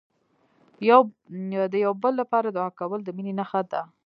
د یو بل لپاره دعا کول، د مینې نښه ده.